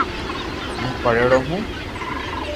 ھون پڙھيڙو ھون